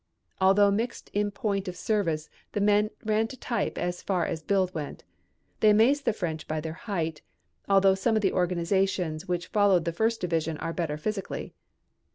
Although mixed in point of service the men ran to type as far as build went. They amazed the French by their height, although some of the organizations which followed the first division are better physically.